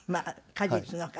果実の「果」。